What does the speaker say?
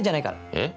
えっ？